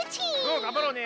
うんがんばろうね！